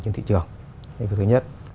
nên đẳng trên thị trường là thứ nhất